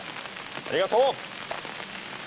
ありがとう！